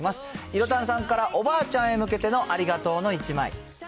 いろたんさんからおばあちゃんに向けてのありがとうの１枚。